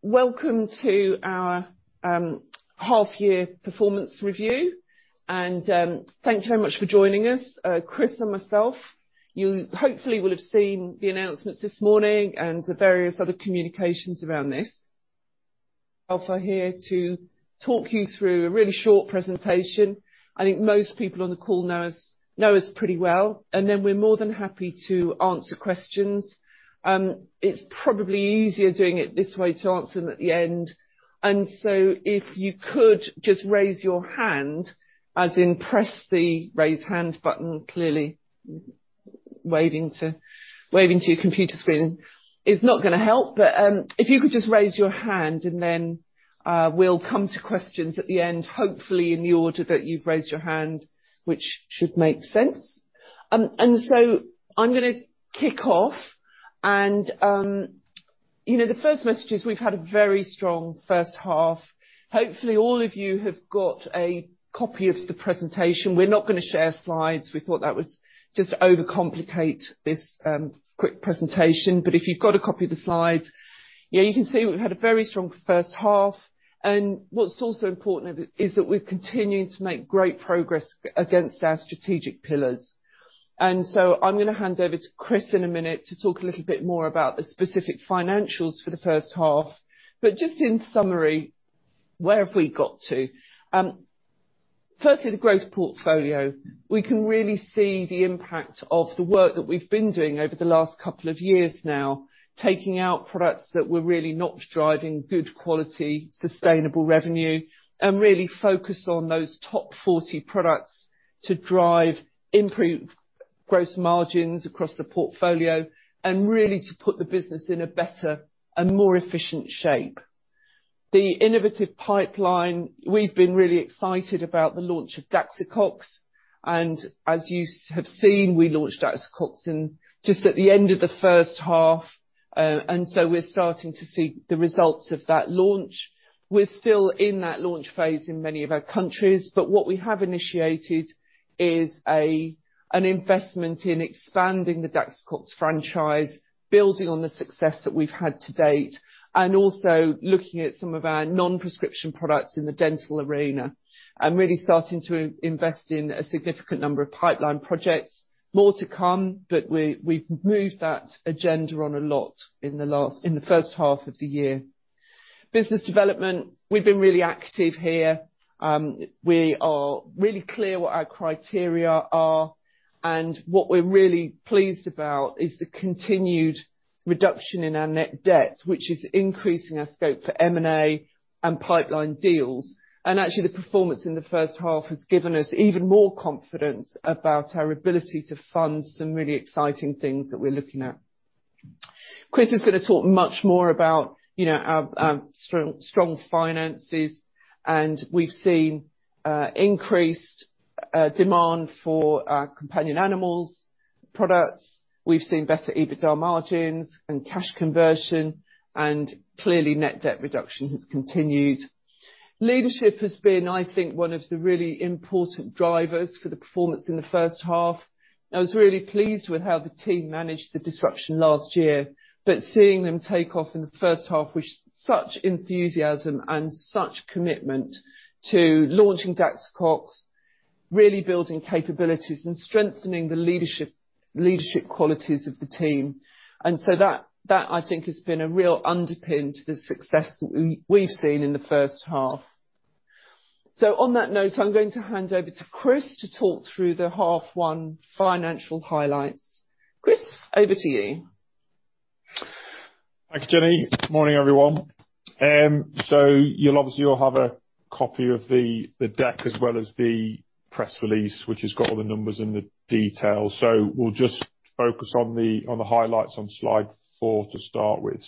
Welcome to our half-year performance review, thanks very much for joining us, Chris and myself. You hopefully will have seen the announcements this morning and the various other communications around this. Also here to talk you through a really short presentation. I think most people on the call know us pretty well, we're more than happy to answer questions. It's probably easier doing it this way to answer them at the end. If you could just raise your hand, as in press the Raise Hand button. Clearly, waving to your computer screen is not going to help. If you could just raise your hand and then we'll come to questions at the end, hopefully in the order that you've raised your hand, which should make sense. I'm going to kick off. The first message is we've had a very strong first half. Hopefully, all of you have got a copy of the presentation. We're not going to share slides. We thought that would just overcomplicate this quick presentation. If you've got a copy of the slides, you can see we've had a very strong first half. What's also important is that we're continuing to make great progress against our strategic pillars. I'm going to hand over to Chris in a minute to talk a little bit more about the specific financials for the first half. Just in summary, where have we got to? Firstly, the growth portfolio. We can really see the impact of the work that we've been doing over the last couple of years now, taking out products that were really not driving good quality, sustainable revenue, and really focus on those top 40 products to drive improved gross margins across the portfolio and really to put the business in a better and more efficient shape. The innovative pipeline. We've been really excited about the launch of Daxocox, and as you have seen, we launched Daxocox in just at the end of the first half, and so we're starting to see the results of that launch. We're still in that launch phase in many of our countries, but what we have initiated is an investment in expanding the Daxocox franchise, building on the success that we've had to date, and also looking at some of our non-prescription products in the dental arena and really starting to invest in a significant number of pipeline projects. More to come, but we've moved that agenda on a lot in the first half of the year. Business development. We've been really active here. We are really clear what our criteria are. What we're really pleased about is the continued reduction in our net debt, which is increasing our scope for M&A and pipeline deals. Actually, the performance in the first half has given us even more confidence about our ability to fund some really exciting things that we're looking at. Chris is going to talk much more about our strong finances. We've seen increased demand for our companion animals products. We've seen better EBITDA margins and cash conversion. Clearly net debt reduction has continued. Leadership has been, I think, one of the really important drivers for the performance in the first half. I was really pleased with how the team managed the disruption last year, but seeing them take off in the first half with such enthusiasm and such commitment to launching Daxocox, really building capabilities and strengthening the leadership qualities of the team. That, I think, has been a real underpin to the success that we've seen in the first half. On that note, I'm going to hand over to Chris to talk through the H1 financial highlights. Chris, over to you. Thanks, Jenny. Morning, everyone. You'll obviously all have a copy of the deck as well as the press release, which has got all the numbers and the details. We'll just focus on the highlights on slide four to start with.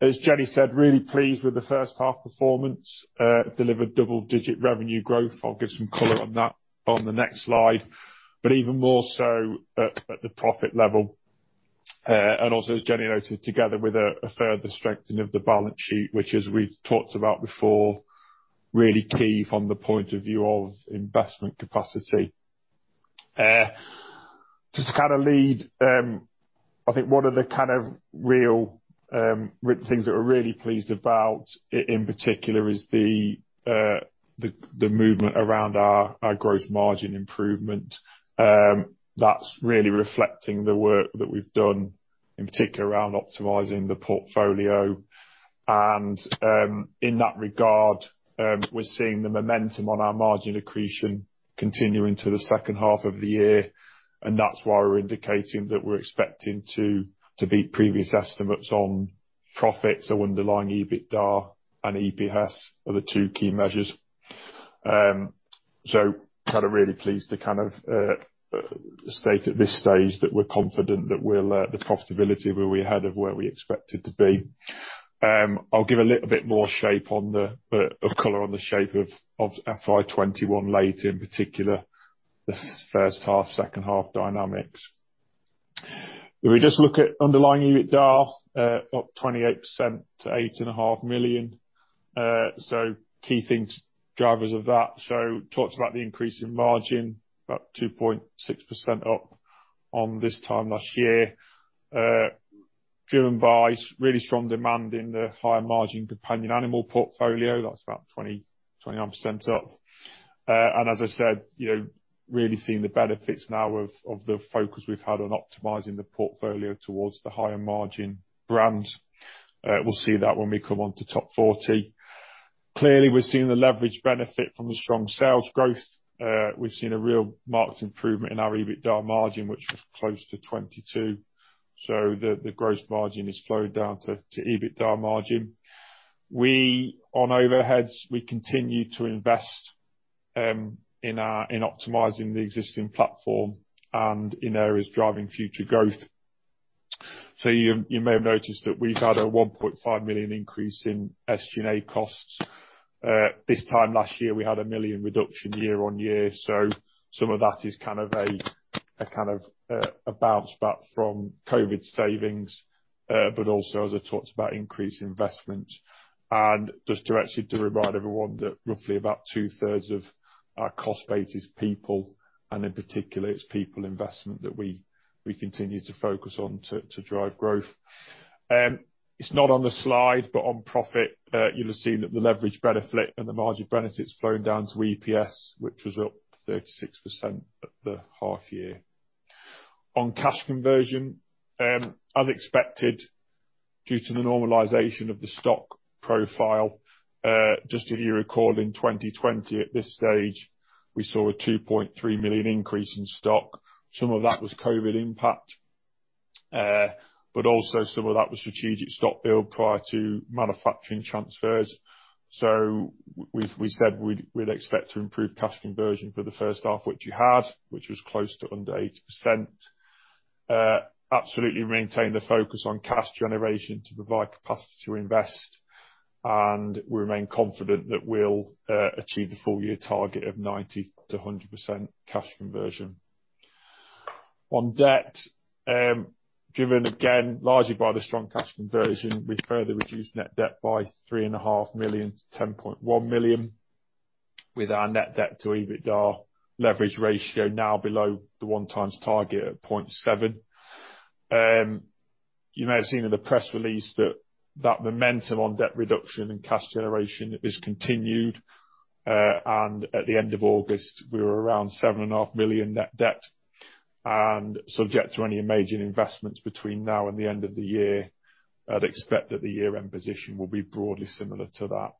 As Jenny said, really pleased with the first half performance, delivered double-digit revenue growth. I'll give some color on that on the next slide. Even more so at the profit level. Also, as Jenny noted, together with a further strengthening of the balance sheet, which as we've talked about before, really key from the point of view of investment capacity. Just to kind of lead, I think one of the kind of real things that we're really pleased about in particular is the movement around our gross margin improvement. That's really reflecting the work that we've done, in particular around optimizing the portfolio. In that regard, we're seeing the momentum on our margin accretion continuing to the second half of the year, and that's why we're indicating that we're expecting to beat previous estimates on profits or underlying EBITDA and EPS are the two key measures. Really pleased to state at this stage that we're confident that the profitability will be ahead of where we expect it to be. I'll give a little bit more shape of color on the shape of FY 2021 later, in particular the first half, second half dynamics. If we just look at underlying EBITDA, up 28% to 8.5 million. Key things, drivers of that. Talked about the increase in margin, about 2.6% up on this time last year, driven by really strong demand in the higher margin companion animal portfolio. That's about 29% up. As I said, really seeing the benefits now of the focus we've had on optimizing the portfolio towards the higher margin brands. We'll see that when we come onto top 40. Clearly, we're seeing the leverage benefit from the strong sales growth. We've seen a real marked improvement in our EBITDA margin, which was close to 22%. The gross margin has flowed down to EBITDA margin. On overheads, we continue to invest in optimizing the existing platform and in areas driving future growth. You may have noticed that we've had a 1.5 million increase in SG&A costs. This time last year, we had a 1 million reduction year-over-year, so some of that is a kind of a bounce back from COVID savings, but also, as I talked about, increased investment. Just to actually to remind everyone that roughly about two-thirds of our cost base is people, and in particular, it's people investment that we continue to focus on to drive growth. It's not on the slide, but on profit, you'll have seen that the leverage benefit and the margin benefits flowing down to EPS, which was up 36% at the half year. On cash conversion, as expected, due to the normalization of the stock profile, just if you recall, in 2020 at this stage, we saw a 2.3 million increase in stock. Some of that was COVID impact, but also some of that was strategic stock build prior to manufacturing transfers. We said we'd expect to improve cash conversion for the first half, which we had, which was close to under 80%. Absolutely maintain the focus on cash generation to provide capacity to invest, and we remain confident that we'll achieve the full year target of 90%-100% cash conversion. On debt, driven again largely by the strong cash conversion, we further reduced net debt by 3.5 million to 10.1 million, with our net debt to EBITDA leverage ratio now below the 1x target at 0.7x. You may have seen in the press release that momentum on debt reduction and cash generation is continued. At the end of August, we were around 7.5 million net debt, and subject to any major investments between now and the end of the year, I'd expect that the year-end position will be broadly similar to that.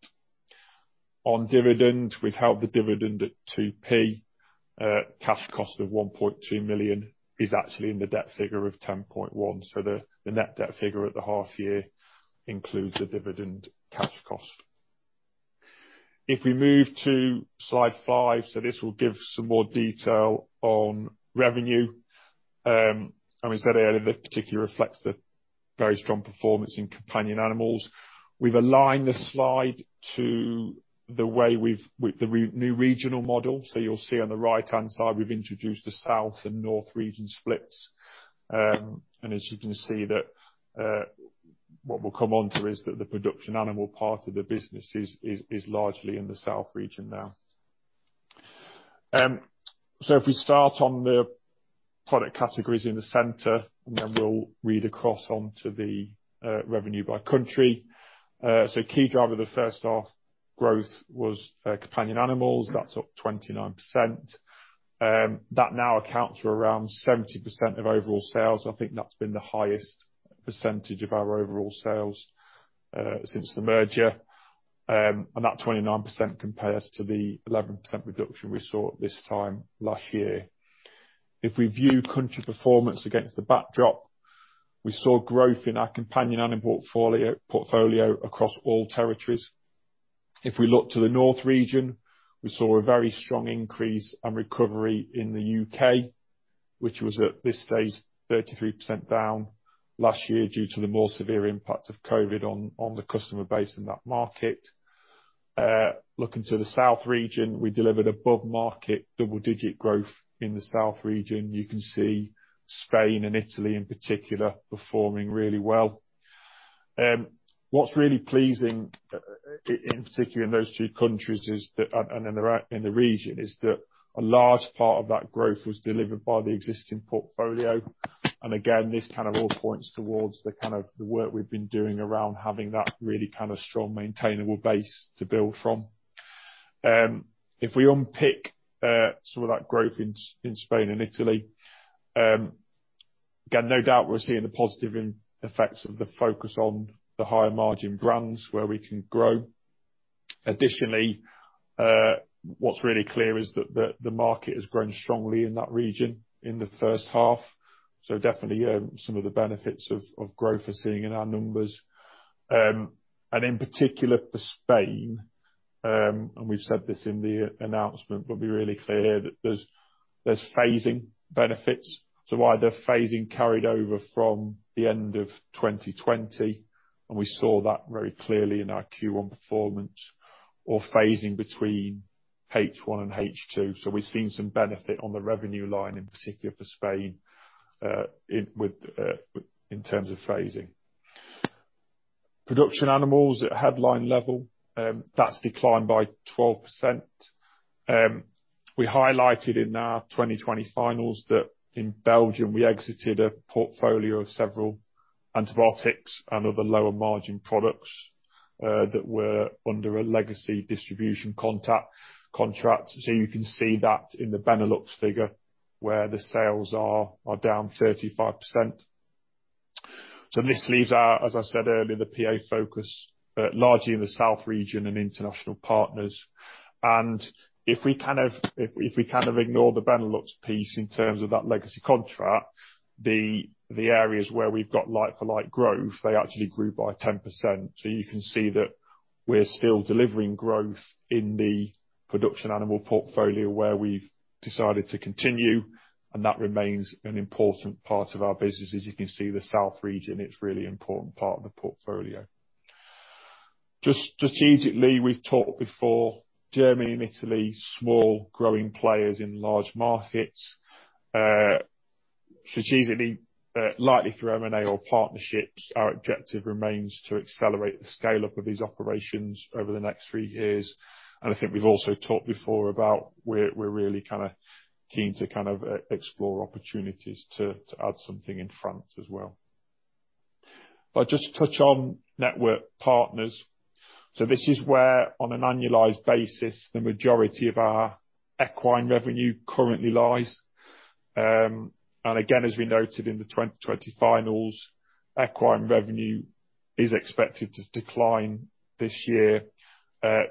On dividend, we've held the dividend at 0.02. Cash cost of 1.2 million is actually in the debt figure of 10.1 million. The net debt figure at the half year includes the dividend cash cost. If we move to slide five, this will give some more detail on revenue. As I said earlier, that particularly reflects the very strong performance in companion animals. We've aligned the slide to the way with the new regional model. You'll see on the right-hand side, we've introduced the South and North region splits. As you can see, what we'll come onto is that the production animal part of the business is largely in the South region now. If we start on the product categories in the center, then we'll read across onto the revenue by country. Key driver of the first half growth was companion animals. That's up 29%. That now accounts for around 70% of overall sales. I think that's been the highest percentage of our overall sales since the merger. That 29% compares to the 11% reduction we saw at this time last year. If we view country performance against the backdrop, we saw growth in our companion animal portfolio across all territories. If we look to the North region, we saw a very strong increase and recovery in the U.K., which was at this stage 33% down last year due to the more severe impact of COVID on the customer base in that market. Looking to the South region, we delivered above market double-digit growth in the South region. You can see Spain and Italy in particular performing really well. What's really pleasing, in particular in those two countries and in the region, is that a large part of that growth was delivered by the existing portfolio. Again, this kind of all points towards the work we've been doing around having that really strong maintainable base to build from. If we unpick some of that growth in Spain and Italy, again, no doubt we're seeing the positive effects of the focus on the higher margin brands where we can grow. Additionally, what's really clear is that the market has grown strongly in that region in the first half. Definitely, some of the benefits of growth we're seeing in our numbers. In particular for Spain, and we've said this in the announcement, but we're really clear that there's phasing benefits. Either phasing carried over from the end of 2020, and we saw that very clearly in our Q1 performance. Or phasing between H1 and H2. We've seen some benefit on the revenue line, in particular for Spain, in terms of phasing. Production animals at headline level, that's declined by 12%. We highlighted in our 2020 finals that in Belgium we exited a portfolio of several antibiotics and other lower margin products that were under a legacy distribution contract. You can see that in the Benelux figure where the sales are down 35%. This leaves our, as I said earlier, the PA focus largely in the South region and International Partners. If we kind of ignore the Benelux piece in terms of that legacy contract, the areas where we've got like-for-like growth, they actually grew by 10%. You can see that we're still delivering growth in the production animal portfolio where we've decided to continue, and that remains an important part of our business. As you can see, the South region, it's a really important part of the portfolio. Just strategically, we've talked before, Germany and Italy, small growing players in large markets. Strategically, likely through M&A or partnerships, our objective remains to accelerate the scale-up of these operations over the next three years. I think we've also talked before about we're really kind of keen to kind of explore opportunities to add something in France as well. I'll just touch on Network Partners. This is where, on an annualized basis, the majority of our equine revenue currently lies. Again, as we noted in the 2020 finals, equine revenue is expected to decline this year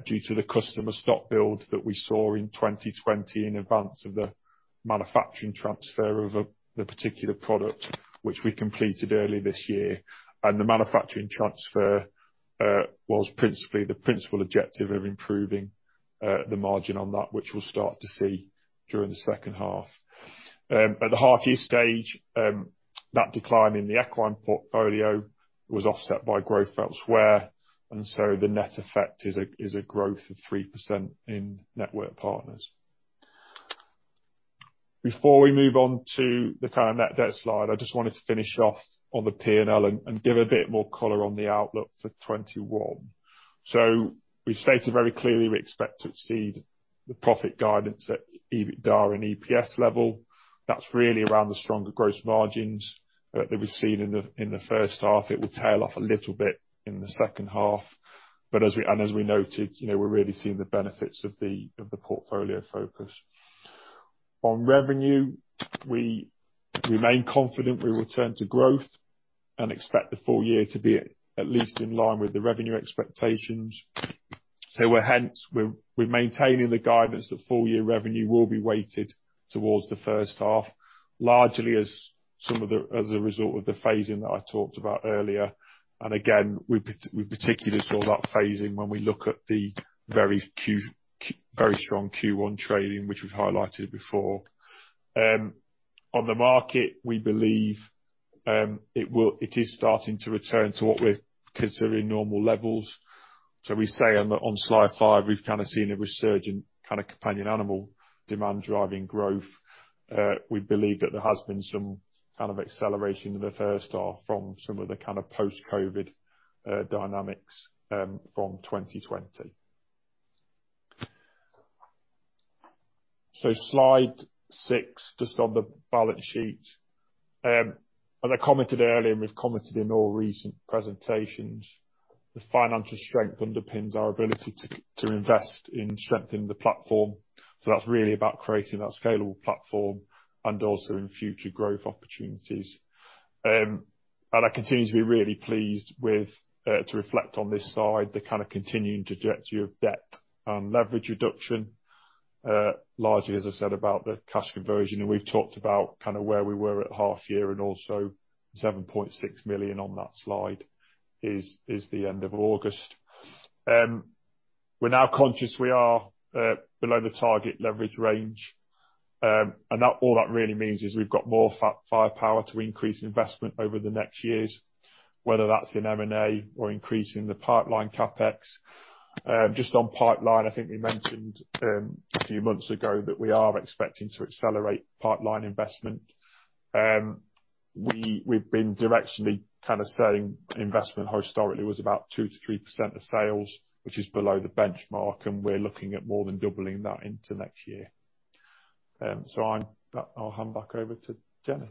due to the customer stock build that we saw in 2020 in advance of the manufacturing transfer of the particular product, which we completed early this year. The manufacturing transfer was principally the principal objective of improving the margin on that, which we'll start to see during the H2. At the half year stage, that decline in the equine portfolio was offset by growth elsewhere, and so the net effect is a growth of 3% in Network Partners. Before we move on to the kind of net debt slide, I just wanted to finish off on the P&L and give a bit more color on the outlook for 2021. We've stated very clearly we expect to exceed the profit guidance at EBITDA and EPS level. That's really around the stronger gross margins that we've seen in the first half. It will tail off a little bit in the second half. As we noted, we're really seeing the benefits of the portfolio focus. On revenue, we remain confident we will return to growth and expect the full year to be at least in line with the revenue expectations. Hence, we're maintaining the guidance that full year revenue will be weighted towards the first half, largely as a result of the phasing that I talked about earlier. Again, we particularly saw that phasing when we look at the very strong Q1 trading, which we've highlighted before. On the market, we believe it is starting to return to what we're considering normal levels. We say on slide five, we've kind of seen a resurgent kind of companion animal demand driving growth. We believe that there has been some kind of acceleration in the first half from some of the kind of post-COVID dynamics from 2020. Slide six, just on the balance sheet. As I commented earlier, and we've commented in all recent presentations, the financial strength underpins our ability to invest in strengthening the platform. That's really about creating that scalable platform and also in future growth opportunities. I continue to be really pleased with, to reflect on this slide, the kind of continuing trajectory of debt and leverage reduction, largely, as I said, about the cash conversion, and we've talked about kind of where we were at half year and also 7.6 million on that slide is the end of August. We're now conscious we are below the target leverage range, all that really means is we've got more firepower to increase investment over the next years, whether that's in M&A or increasing the pipeline CapEx. Just on pipeline, I think we mentioned a few months ago that we are expecting to accelerate pipeline investment. We've been directionally kind of saying investment historically was about 2%-3% of sales, which is below the benchmark, and we're looking at more than doubling that into next year. I'll hand back over to Jenny.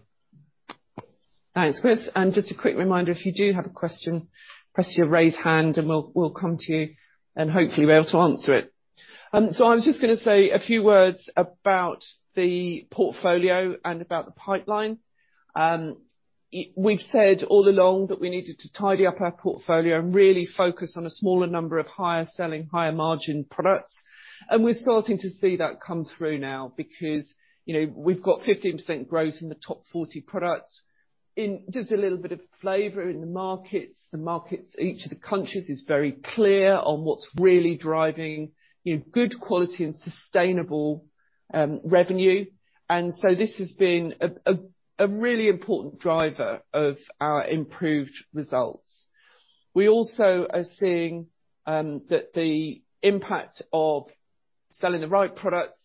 Thanks, Chris. Just a quick reminder, if you do have a question, press your raise hand and we'll come to you and hopefully be able to answer it. I was just going to say a few words about the portfolio and about the pipeline. We've said all along that we needed to tidy up our portfolio and really focus on a smaller number of higher selling, higher margin products. We're starting to see that come through now because we've got 15% growth in the top 40 products. In just a little bit of flavor in the markets, each of the countries is very clear on what's really driving good quality and sustainable revenue. This has been a really important driver of our improved results. We also are seeing that the impact of selling the right products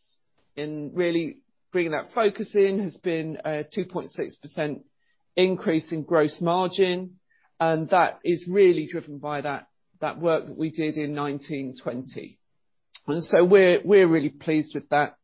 and really bringing that focus in has been a 2.6% increase in gross margin. That is really driven by that work that we did in 2019-2020. We're really pleased with that.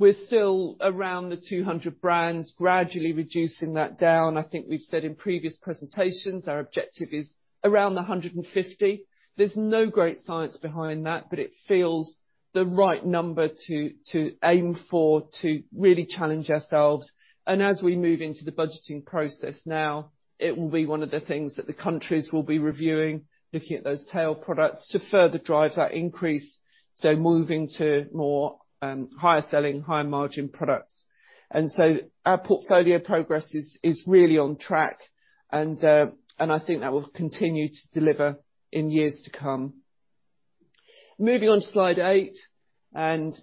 We're still around the 200 brands, gradually reducing that down. I think we've said in previous presentations, our objective is around 150. There's no great science behind that, but it feels the right number to aim for to really challenge ourselves. As we move into the budgeting process now, it will be one of the things that the countries will be reviewing, looking at those tail products to further drive that increase. Moving to more higher selling, higher margin products. Our portfolio progress is really on track, and I think that will continue to deliver in years to come. Moving on to slide eight,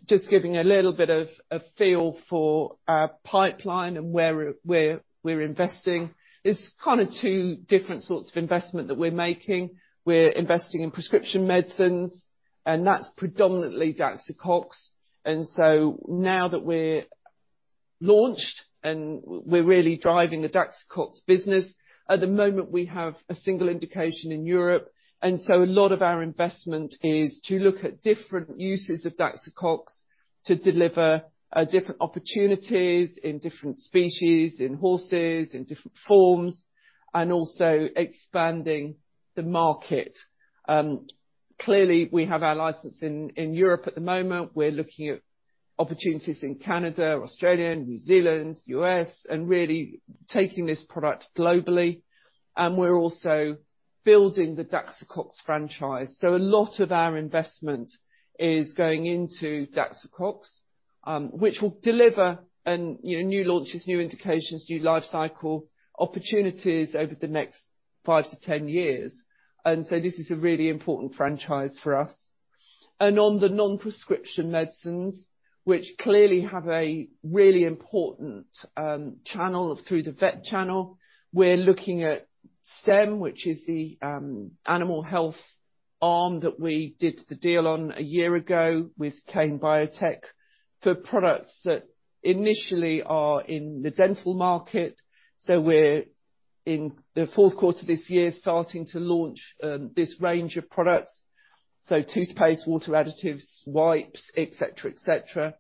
just giving a little bit of a feel for our pipeline and where we're investing. It's kind of two different sorts of investment that we're making. We're investing in prescription medicines, and that's predominantly Daxocox. Now that we're launched and we're really driving the Daxocox business, at the moment, we have a single indication in Europe. A lot of our investment is to look at different uses of Daxocox to deliver different opportunities in different species, in horses, in different forms, and also expanding the market. Clearly, we have our license in Europe at the moment. We're looking at opportunities in Canada, Australia, New Zealand, U.S., and really taking this product globally. We're also building the Daxocox franchise. A lot of our investment is going into Daxocox, which will deliver new launches, new indications, new life cycle opportunities over the next 5-10 years. This is a really important franchise for us. On the non-prescription medicines, which clearly have a really important channel through the vet channel. We're looking at STEM, which is the animal health arm that we did the deal on one year ago with Kane Biotech, for products that initially are in the dental market. We're in the fourth quarter of this year, starting to launch this range of products. Toothpaste, water additives, wipes, et cetera.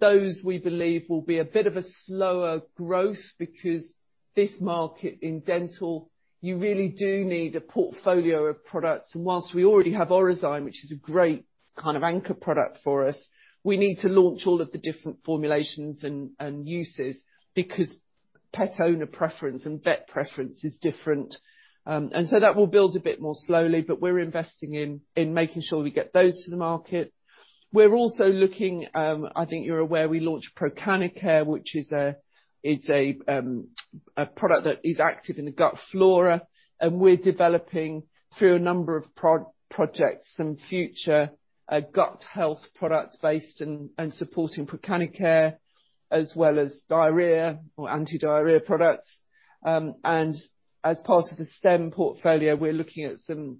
Those we believe will be a bit of a slower growth because this market in dental, you really do need a portfolio of products. Whilst we already have Orozyme, which is a great kind of anchor product for us, we need to launch all of the different formulations and uses because pet owner preference and vet preference is different. That will build a bit more slowly, but we're investing in making sure we get those to the market. We're also looking, I think you're aware we launched Procanicare, which is a product that is active in the gut flora, and we're developing through a number of projects some future gut health products based in and supporting Procanicare, as well as diarrhea or anti-diarrhea products. As part of the STEM portfolio, we're looking at some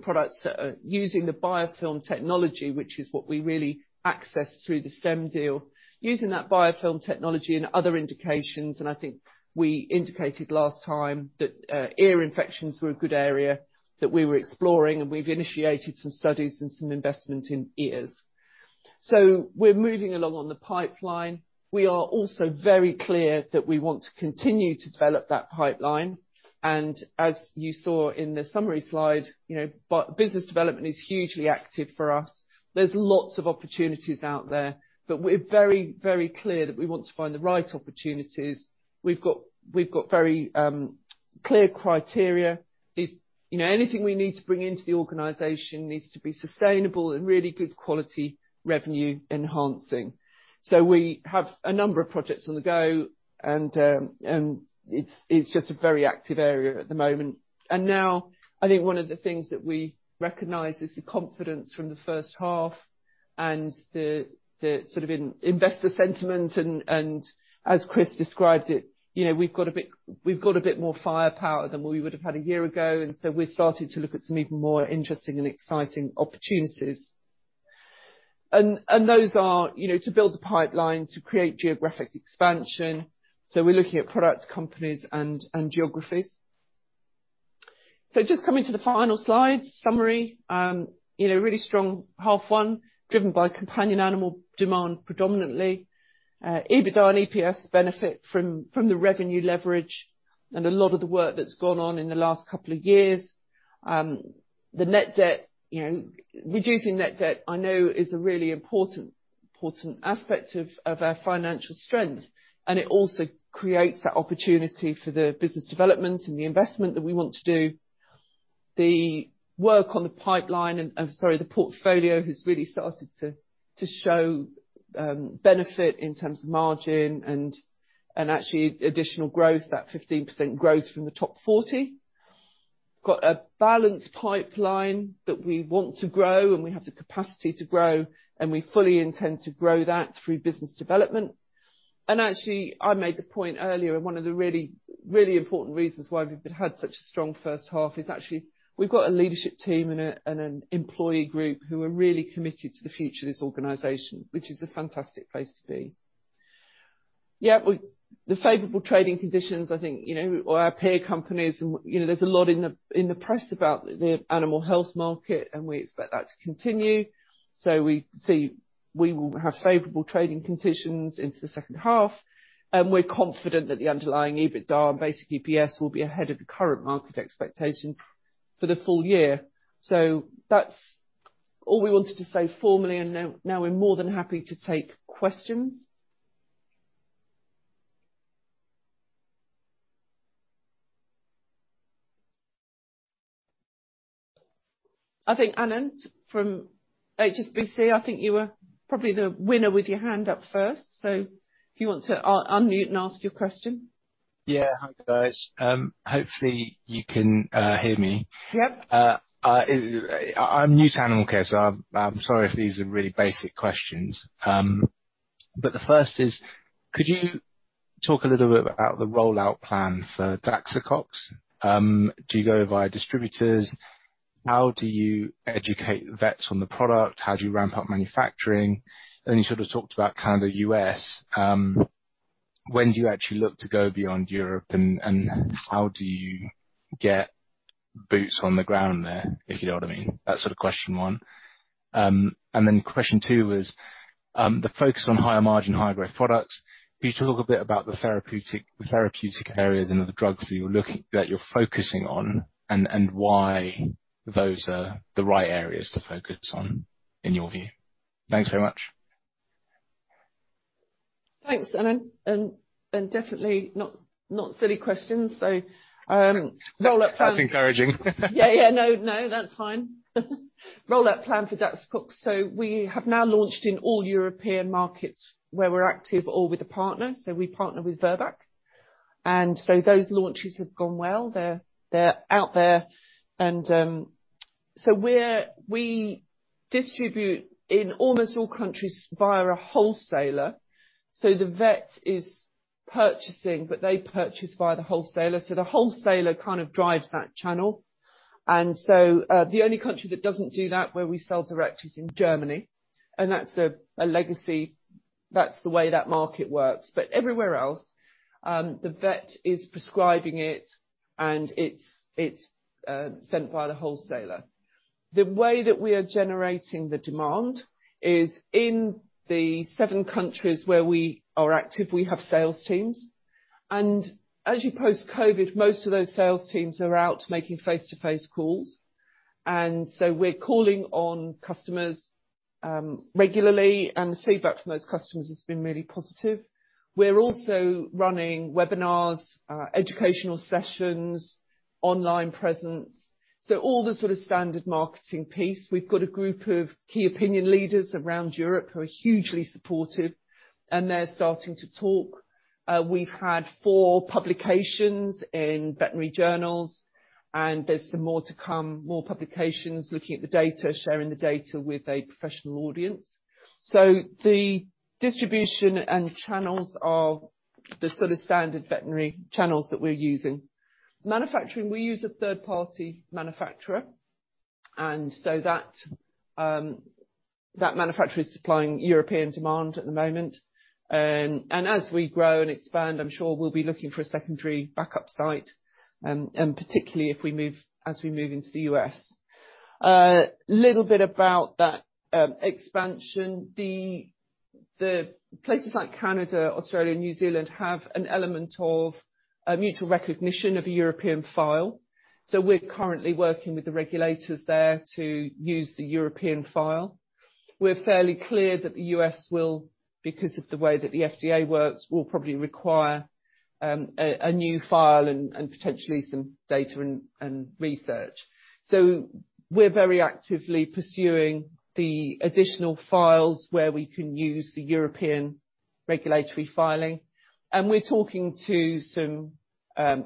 products that are using the biofilm technology, which is what we really access through the STEM deal. Using that biofilm technology in other indications, and I think we indicated last time that ear infections were a good area that we were exploring, and we've initiated some studies and some investment in ears. We're moving along on the pipeline. We are also very clear that we want to continue to develop that pipeline. As you saw in the summary slide, business development is hugely active for us. There's lots of opportunities out there, but we're very clear that we want to find the right opportunities. We've got very clear criteria is anything we need to bring into the organization needs to be sustainable and really good quality revenue enhancing. We have a number of projects on the go, and it's just a very active area at the moment. Now I think one of the things that we recognize is the confidence from the first half and the sort of investor sentiment and as Chris described it, we've got a bit more firepower than we would have had a year ago. We're starting to look at some even more interesting and exciting opportunities. Those are to build the pipeline, to create geographic expansion. We're looking at products, companies, and geographies. Just coming to the final slide, summary. Really strong half one, driven by companion animal demand predominantly. EBITDA and EPS benefit from the revenue leverage and a lot of the work that's gone on in the last couple of years. The net debt, reducing net debt I know is a really important aspect of our financial strength, and it also creates that opportunity for the business development and the investment that we want to do. The work on the pipeline and, sorry, the portfolio has really started to show benefit in terms of margin and actually additional growth, that 15% growth from the top 40. Got a balanced pipeline that we want to grow, and we have the capacity to grow, and we fully intend to grow that through business development. Actually, I made the point earlier, and one of the really, really important reasons why we've had such a strong first half is actually we've got a leadership team and an employee group who are really committed to the future of this organization, which is a fantastic place to be. Yeah, the favorable trading conditions, I think, our peer companies, and there's a lot in the press about the animal health market, and we expect that to continue. We see we will have favorable trading conditions into the second half, and we're confident that the underlying EBITDA and basic EPS will be ahead of the current market expectations for the full year. That's all we wanted to say formally, and now we're more than happy to take questions. I think Anand from HSBC, I think you were probably the winner with your hand up first, so if you want to unmute and ask your question. Yeah. Hi, guys. Hopefully, you can hear me. Yep. I'm new to Animalcare, so I'm sorry if these are really basic questions. The first is, could you talk a little bit about the rollout plan for Daxocox? Do you go via distributors? How do you educate vets on the product? How do you ramp up manufacturing? You sort of talked about Canada, U.S. When do you actually look to go beyond Europe, and how do you get boots on the ground there? If you know what I mean. That's sort of question one. Then question two was, the focus on higher margin, higher growth products. Could you talk a bit about the therapeutic areas and the drugs that you're focusing on, and why those are the right areas to focus on in your view? Thanks very much. Thanks, Anand. Definitely not silly questions. Roll out plan- That's encouraging. Yeah. No, that's fine. Roll out plan for Daxocox. We have now launched in all European markets where we're active or with a partner. We partner with Virbac. Those launches have gone well. They're out there. We distribute in almost all countries via a wholesaler. The vet is purchasing, but they purchase via the wholesaler, so the wholesaler kind of drives that channel. The only country that doesn't do that, where we sell direct, is in Germany, and that's a legacy. That's the way that market works. Everywhere else, the vet is prescribing it, and it's sent via the wholesaler. The way that we are generating the demand is in the seven countries where we are active, we have sales teams. As you post-COVID, most of those sales teams are out making face-to-face calls, and so we're calling on customers regularly, and the feedback from those customers has been really positive. We're also running webinars, educational sessions, online presence, so all the sort of standard marketing piece. We've got a group of key opinion leaders around Europe who are hugely supportive, and they're starting to talk. We've had four publications in veterinary journals, and there's some more to come, more publications, looking at the data, sharing the data with a professional audience. The distribution and channels are the sort of standard veterinary channels that we're using. Manufacturing, we use a third-party manufacturer, and so that manufacturer is supplying European demand at the moment. As we grow and expand, I'm sure we'll be looking for a secondary backup site, and particularly as we move into the U.S. Little bit about that expansion. The places like Canada, Australia, and New Zealand have an element of a mutual recognition of a European file. We're currently working with the regulators there to use the European file. We're fairly clear that the U.S. will, because of the way that the FDA works, will probably require a new file and potentially some data and research. We're very actively pursuing the additional files where we can use the European regulatory filing, and we're talking to some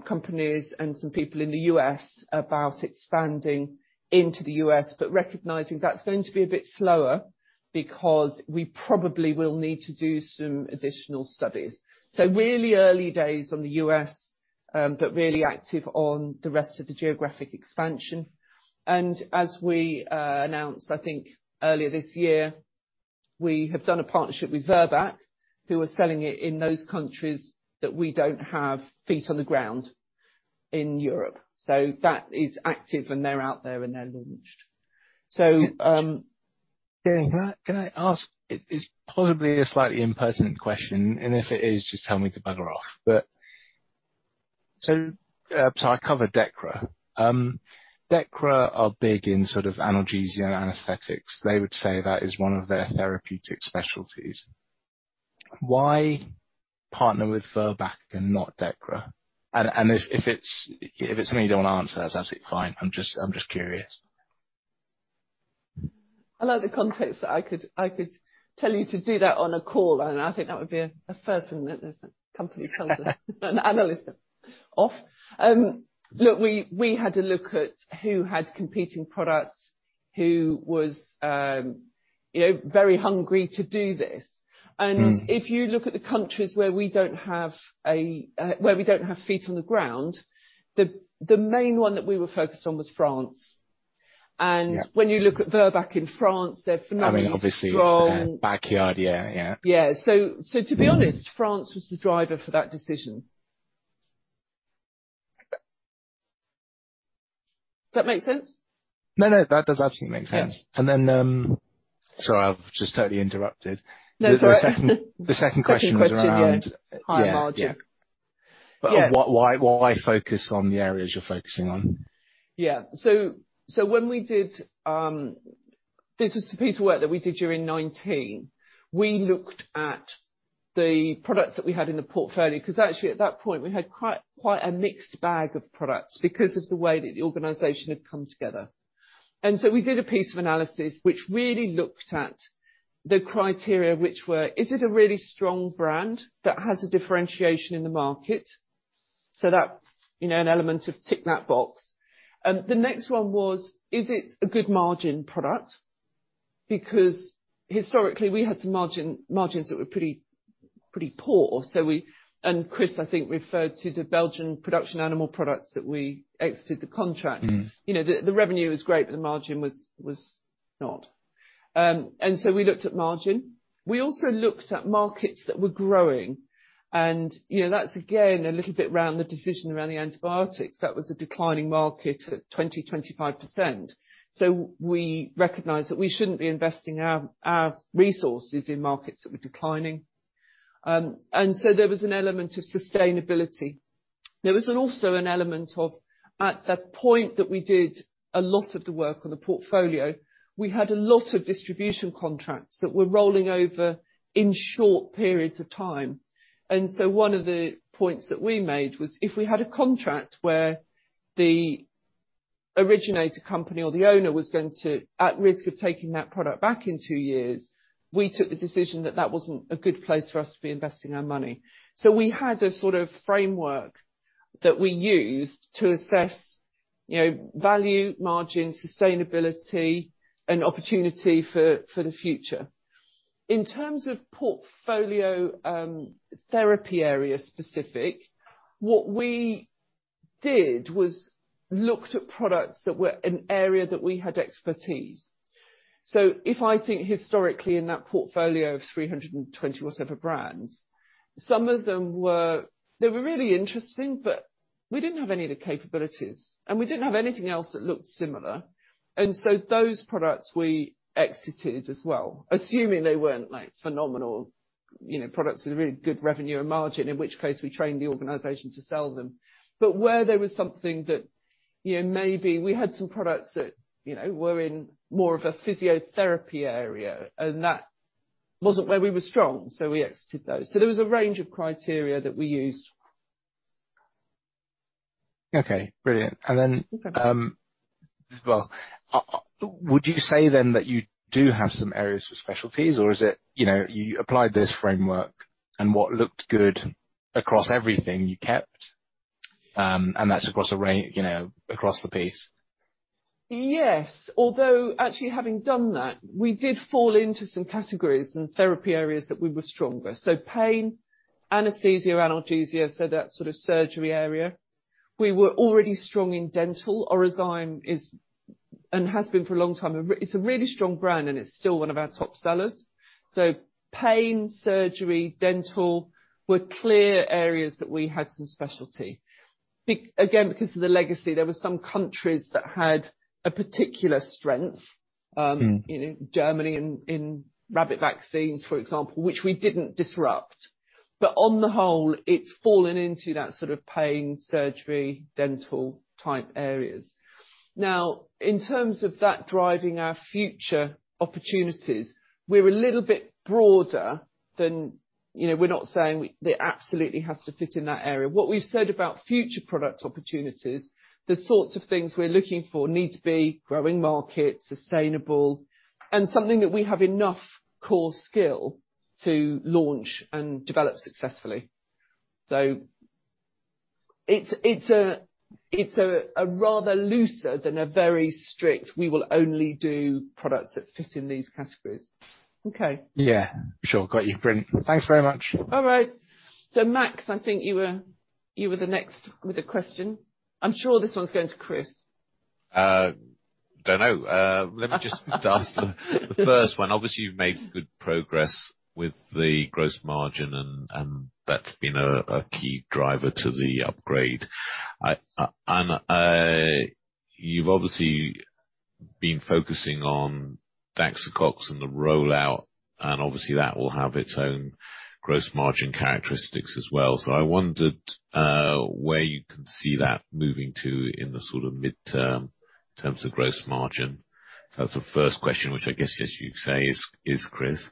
companies and some people in the U.S. about expanding into the U.S., but recognizing that's going to be a bit slower because we probably will need to do some additional studies. Really early days on the U.S., but really active on the rest of the geographic expansion. As we announced, I think earlier this year, we have done a partnership with Virbac who are selling it in those countries that we don't have feet on the ground in Europe. That is active and they're out there and they're launched. Can I ask, it's probably a slightly impertinent question, and if it is, just tell me to bugger off. I cover Dechra. Dechra are big in sort of analgesia and anesthetics. They would say that is one of their therapeutic specialties. Why partner with Virbac and not Dechra? If it's something you don't want to answer, that's absolutely fine. I'm just curious. I like the context that I could tell you to do that on a call. I think that would be a first one that there's a company tells an analyst off. We had a look at who had competing products, who was very hungry to do this. If you look at the countries where we don't have feet on the ground, the main one that we were focused on was France. Yeah. When you look at Virbac in France, they're phenomenally strong. I mean, obviously it's their backyard. Yeah. Yeah. France was the driver for that decision. Does that make sense? No, that does absolutely make sense. Good. Sorry, I've just totally interrupted. No, go ahead. The second question was around. Second question, yeah. Higher margin. Yeah. Why focus on the areas you're focusing on? Yeah. This was the piece of work that we did during 2019. We looked at the products that we had in the portfolio, because actually at that point we had quite a mixed bag of products because of the way that the organization had come together. We did a piece of analysis which really looked at the criteria, which were, is it a really strong brand that has a differentiation in the market? That, an element of tick that box. The next one was, is it a good margin product? Historically we had some margins that were pretty poor. Chris, I think referred to the Belgian production animal products that we exited the contract. The revenue was great, but the margin was not. We looked at margin. We also looked at markets that were growing. That's again a little bit around the decision around the antibiotics. That was a declining market at 20%-25%. We recognized that we shouldn't be investing our resources in markets that were declining. There was an element of sustainability. There was also an element of, at that point that we did a lot of the work on the portfolio, we had a lot of distribution contracts that were rolling over in short periods of time. One of the points that we made was if we had a contract where the originator company or the owner was at risk of taking that product back in two years, we took the decision that that wasn't a good place for us to be investing our money. We had a sort of framework that we used to assess value, margin, sustainability, and opportunity for the future. In terms of portfolio therapy area specific, what we did was looked at products that were an area that we had expertise. If I think historically in that portfolio of 320 or whatever brands, some of them were really interesting, but we didn't have any of the capabilities, and we didn't have anything else that looked similar. Those products we exited as well, assuming they weren't phenomenal products with a really good revenue and margin, in which case we trained the organization to sell them. Where there was something that maybe we had some products that were in more of a physiotherapy area, and that wasn't where we were strong, so we exited those. There was a range of criteria that we used. Okay, brilliant. Okay. Well, would you say then that you do have some areas for specialties or is it, you applied this framework and what looked good across everything you kept, and that's across the piece? Yes. Actually having done that, we did fall into some categories and therapy areas that we were strong with. Pain, anesthesia, analgesia, so that sort of surgery area. We were already strong in dental. Orozyme is, and has been for a long time, it's a really strong brand and it's still one of our top sellers. Pain, surgery, dental were clear areas that we had some specialty. Again, because of the legacy, there were some countries that had a particular strength. In Germany, in rabbit vaccines, for example, which we didn't disrupt. On the whole, it's fallen into that sort of pain, surgery, dental type areas. In terms of that driving our future opportunities, we're not saying it absolutely has to fit in that area. What we've said about future product opportunities, the sorts of things we're looking for need to be growing market, sustainable, and something that we have enough core skill to launch and develop successfully. It's a rather looser than a very strict we will only do products that fit in these categories. Okay. Yeah. Sure. Got you. Brilliant. Thanks very much. Max, I think you were the next with a question. I'm sure this one's going to Chris. Don't know. Let me just ask the first one. Obviously, you've made good progress with the gross margin and that's been a key driver to the upgrade. You've obviously been focusing on Daxocox and the rollout, and obviously that will have its own gross margin characteristics as well. I wondered where you can see that moving to in the sort of mid-term in terms of gross margin. That's the first question, which I guess, as you say, is Chris.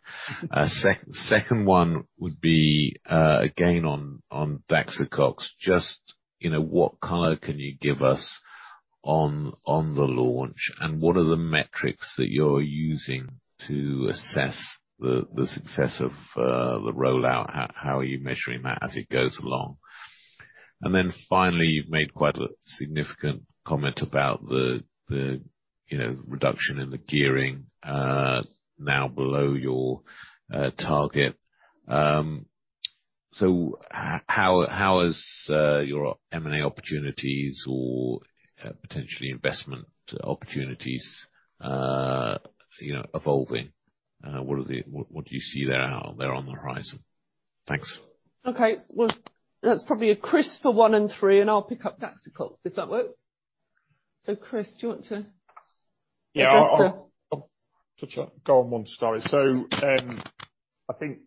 Second one would be, again on Daxocox, just what color can you give us on the launch, and what are the metrics that you're using to assess the success of the rollout? How are you measuring that as it goes along? Then finally, you've made quite a significant comment about the reduction in the gearing, now below your target. How is your M&A opportunities or potentially investment opportunities evolving? What do you see there on the horizon? Thanks. Okay. Well, that's probably a Chris for 1 and 3, and I'll pick up Daxocox if that works. Chris, do you want to- Yeah. Go first, go. I'll go on one to start. I think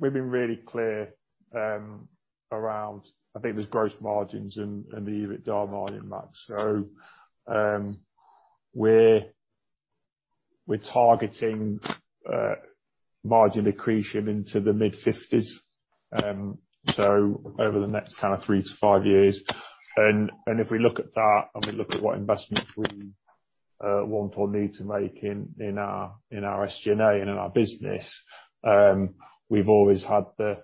we've been really clear around, I think it's gross margins and the EBITDA margin, Max. We're targeting margin accretion into the mid-50s, over the next kind of three to five years. If we look at that and we look at what investment we want or need to make in our SG&A and in our business, we've always had the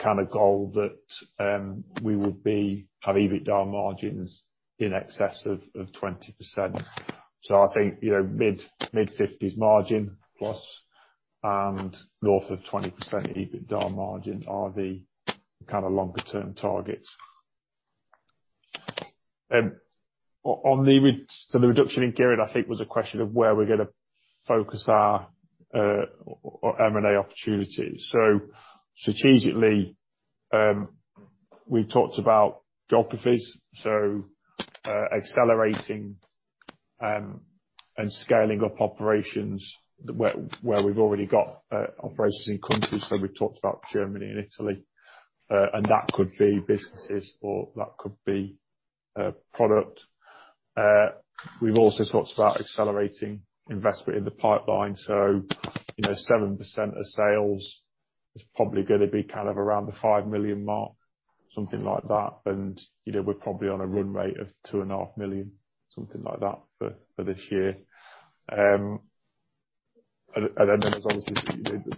kind of goal that, we would have EBITDA margins in excess of 20%. I think, mid-50s margin plus and north of 20% EBITDA margin are the kind of longer term targets. The reduction in gearing I think was a question of where we're gonna focus our M&A opportunities. Strategically, we talked about geographies, accelerating and scaling up operations where we've already got operations in countries. We've talked about Germany and Italy, and that could be businesses or that could be product. We've also talked about accelerating investment in the pipeline. 7% of sales is probably gonna be kind of around the 5 million mark, something like that. We're probably on a run rate of 2.5 million, something like that, for this year. There's obviously,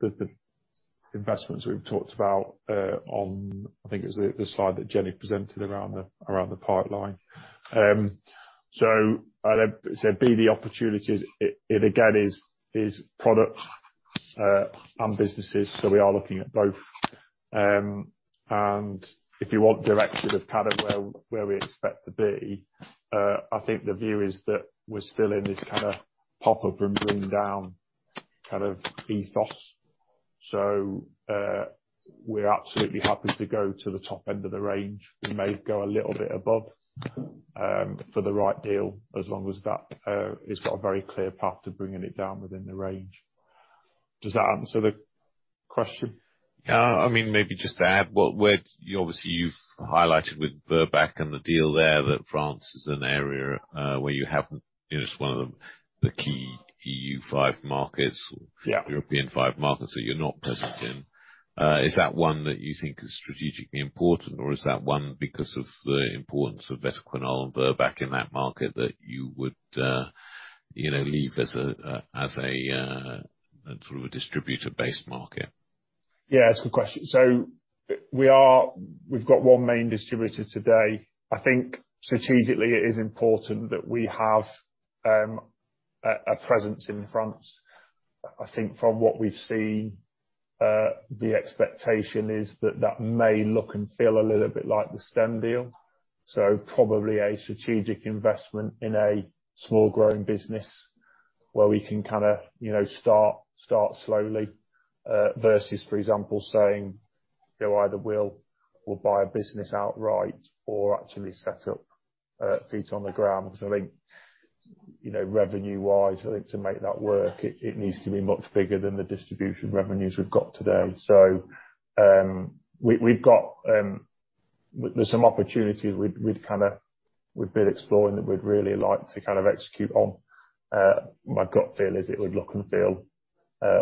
there's the investments we've talked about on, I think it was the slide that Jenny presented around the pipeline. Be the opportunities, it again, is product and businesses, we are looking at both. If you want direction of kind of where we expect to be, I think the view is that we're still in this kind of pop up and bring down kind of ethos. We're absolutely happy to go to the top end of the range. We may go a little bit above for the right deal as long as that has got a very clear path to bringing it down within the range. Does that answer the question? Yeah. Maybe just to add, well, obviously you've highlighted with Virbac and the deal there, that France is an area. It's one of the key EU5 markets. Yeah European five markets that you're not present in. Is that one that you think is strategically important, or is that one because of the importance of Vétoquinol, Virbac in that market that you would leave as through a distributor-based market? Yeah, it's a good question. We've got one main distributor today. I think strategically it is important that we have a presence in France. I think from what we've seen, the expectation is that that may look and feel a little bit like the STEM deal. Probably a strategic investment in a small growing business where we can kind of start slowly, versus for example, saying, either we'll buy a business outright or actually set up feet on the ground. I think revenue-wise, I think to make that work, it needs to be much bigger than the distribution revenues we've got today. There's some opportunities we'd been exploring that we'd really like to execute on. My gut feel is it would look and feel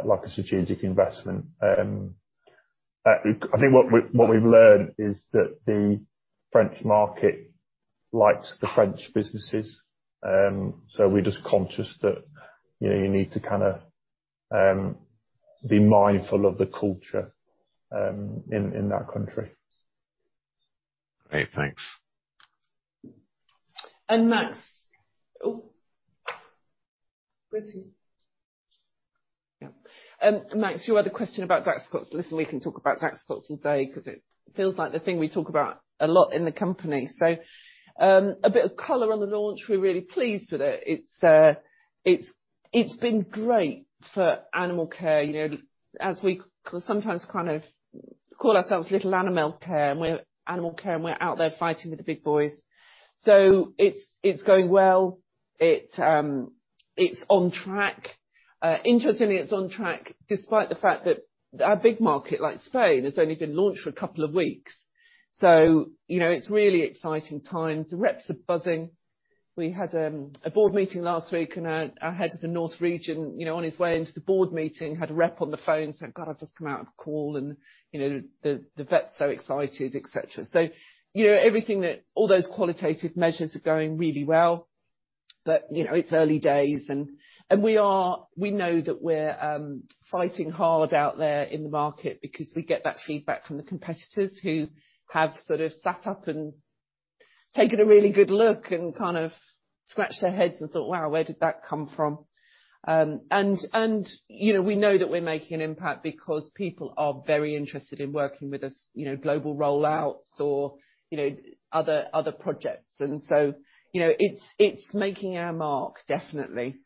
like a strategic investment. I think what we've learned is that the French market likes the French businesses. We're just conscious that you need to kind of be mindful of the culture in that country. Great, thanks. Max. Go ahead. Max, your other question about Daxocox. Listen, we can talk about Daxocox all day because it feels like the thing we talk about a lot in the company. A bit of color on the launch, we're really pleased with it. It's been great for Animalcare. As we sometimes kind of call ourselves Little Animalcare, and we're Animalcare, and we're out there fighting with the big boys. It's going well. It's on track. Interestingly, it's on track despite the fact that a big market like Spain has only been launched for a couple of weeks. It's really exciting times. The reps are buzzing. We had a Board meeting last week, our Head of the North region, on his way into the Board meeting, had a rep on the phone saying, "God, I've just come out of call and the vet's so excited," et cetera. Everything, all those qualitative measures are going really well. It's early days. We know that we're fighting hard out there in the market because we get that feedback from the competitors who have sort of sat up and taken a really good look and kind of scratched their heads and thought, "Wow, where did that come from." We know that we're making an impact because people are very interested in working with us, global roll-outs or other projects. It's making our mark, definitely.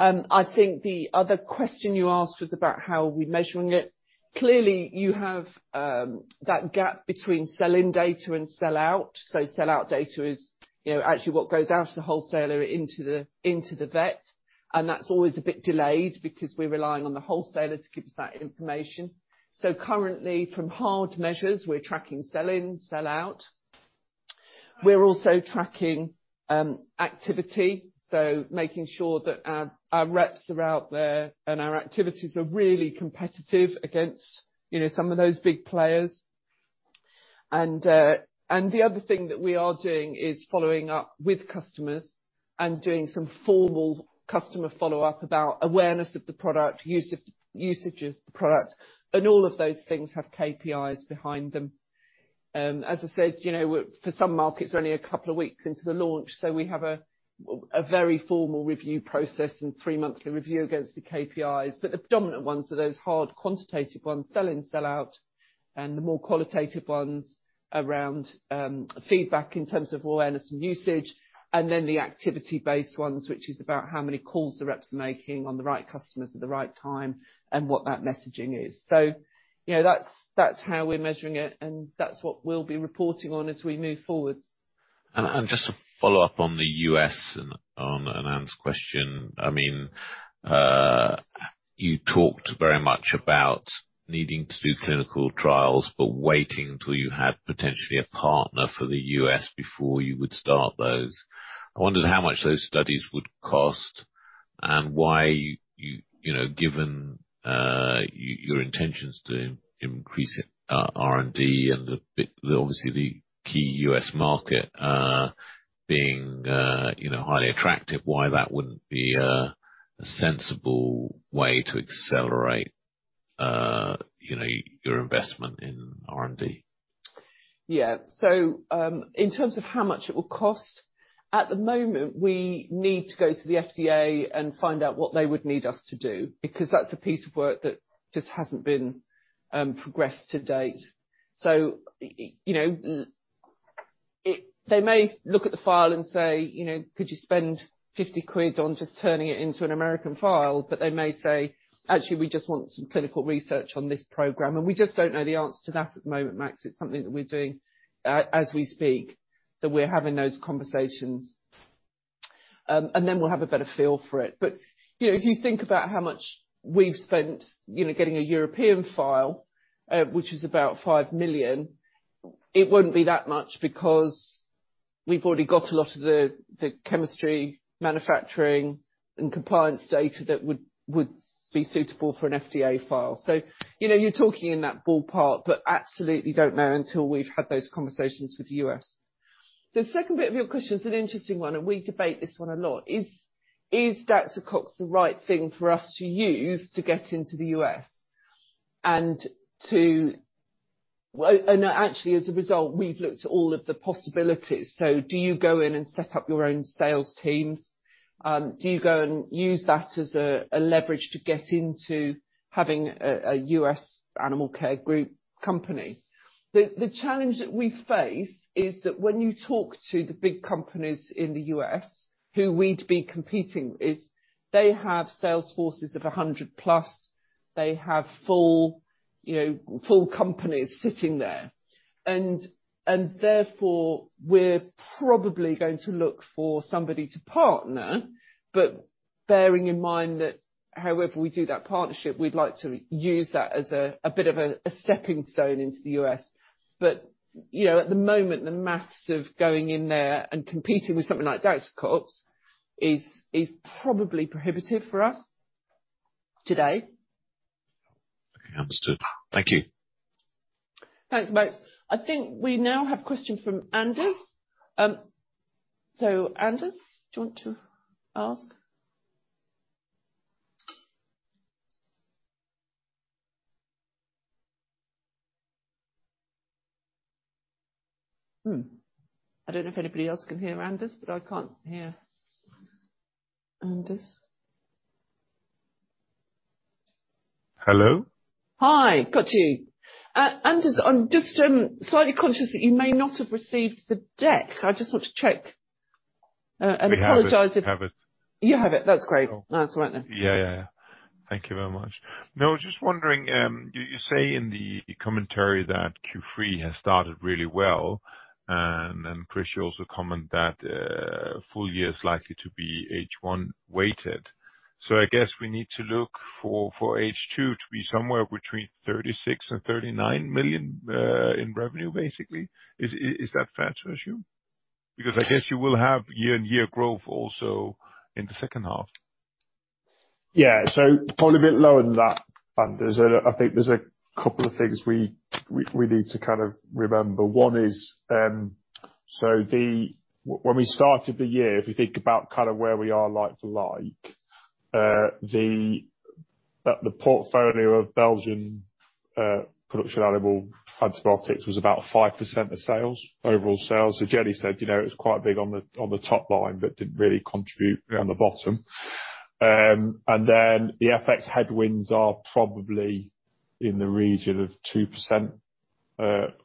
I think the other question you asked was about how we're measuring it. Clearly, you have that gap between sell-in data and sell-out. Sell-out data is actually what goes out to the wholesaler into the vet, and that's always a bit delayed because we're relying on the wholesaler to give us that information. Currently, from hard measures, we're tracking sell-in, sell-out. We're also tracking activity, so making sure that our reps are out there and our activities are really competitive against some of those big players. The other thing that we are doing is following up with customers and doing some formal customer follow-up about awareness of the product, usage of the product, and all of those things have KPIs behind them. As I said, for some markets, we're only a couple of weeks into the launch, so we have a very formal review process and three-monthly review against the KPIs. The dominant ones are those hard quantitative ones, sell-in, sell-out, and the more qualitative ones around feedback in terms of awareness and usage, and then the activity-based ones, which is about how many calls the reps are making on the right customers at the right time and what that messaging is. That's how we're measuring it, and that's what we'll be reporting on as we move forward. Just to follow up on the U.S. and on Anand's question. You talked very much about needing to do clinical trials, but waiting till you have potentially a partner for the U.S. before you would start those. I wondered how much those studies would cost and why, given your intentions to increase R&D and obviously the key U.S. market being highly attractive, why that wouldn't be a sensible way to accelerate your investment in R&D? In terms of how much it will cost, at the moment, we need to go to the FDA and find out what they would need us to do, because that's a piece of work that just hasn't been progressed to date. They may look at the file and say, "Could you spend 50 quid on just turning it into an American file?" They may say, "Actually, we just want some clinical research on this program." We just don't know the answer to that at the moment, Max. It's something that we're doing as we speak, that we're having those conversations and then we'll have a better feel for it. If you think about how much we've spent getting a European file, which is about 5 million, it wouldn't be that much because we've already got a lot of the chemistry, manufacturing, and compliance data that would be suitable for an FDA file. You're talking in that ballpark, but absolutely don't know until we've had those conversations with the U.S. The second bit of your question is an interesting one, and we debate this one a lot, is Daxocox the right thing for us to use to get into the U.S.? Actually, as a result, we've looked at all of the possibilities. Do you go in and set up your own sales teams? Do you go and use that as a leverage to get into having a U.S. Animalcare Group company? The challenge that we face is that when you talk to the big companies in the U.S. who we'd be competing with, they have sales forces of 100+, they have full companies sitting there. Therefore, we're probably going to look for somebody to partner, but bearing in mind that however we do that partnership, we'd like to use that as a bit of a stepping stone into the U.S. At the moment, the maths of going in there and competing with something like Daxocox is probably prohibitive for us today. Understood. Thank you. Thanks, Max. I think we now have question from Anders. Anders, do you want to ask? I don't know if anybody else can hear Anders, but I can't hear Anders. Hello? Hi, got you. Anders, I'm just slightly conscious that you may not have received the deck. I just want to check and apologize if- We have it. You have it. That's great. That's all right then. Yeah. Thank you very much. No, just wondering, you say in the commentary that Q3 has started really well, and then Chris, you also comment that full year is likely to be H1 weighted. I guess we need to look for H2 to be somewhere between 36 million and 39 million in revenue, basically. Is that fair to assume? I guess you will have year-over-year growth also in the second half. Probably a bit lower than that, Anders. I think there are two things we need to kind of remember. One is, when we started the year, if you think about where we are like to like, the portfolio of Belgian production animal antibiotics was about 5% of sales, overall sales. Jenny said it was quite big on the top line, but didn't really contribute down the bottom. The FX headwinds are probably in the region of 2%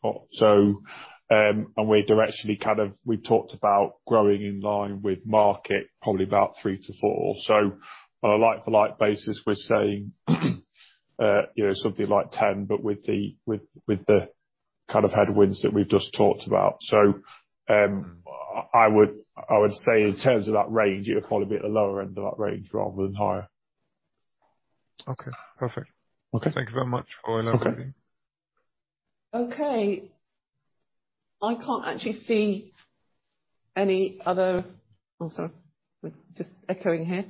or so. We're directionally We talked about growing in line with market probably about 3% to 4%. On a like-for-like basis, we're saying something like 10%, but with the kind of headwinds that we've just talked about. I would say in terms of that range, you're probably at the lower end of that range rather than higher. Okay, perfect. Okay. Thank you very much for enlightening. Okay. We're just echoing here.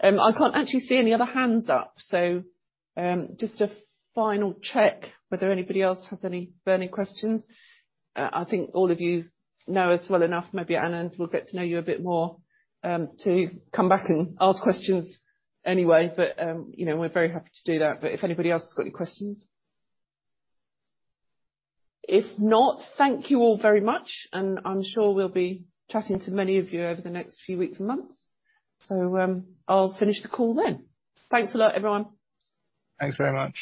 I can't actually see any other hands up. Just a final check whether anybody else has any burning questions. I think all of you know us well enough, maybe Anand, and we'll get to know you a bit more, to come back and ask questions anyway. We're very happy to do that. If anybody else has got any questions? If not, thank you all very much, and I'm sure we'll be chatting to many of you over the next few weeks and months. I'll finish the call then. Thanks a lot, everyone. Thanks very much.